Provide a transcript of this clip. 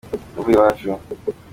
navuye iwacu.